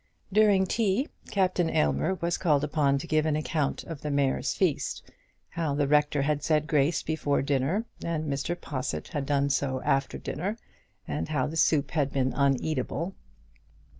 During tea, Captain Aylmer was called upon to give an account of the Mayor's feast, how the rector had said grace before dinner, and Mr. Possitt had done so after dinner, and how the soup had been uneatable.